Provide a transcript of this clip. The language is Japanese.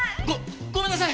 ごごめんなさい！